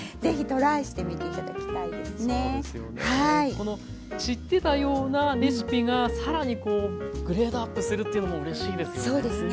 この知ってたようなレシピが更にこうグレードアップするっていうのもうれしいですよね。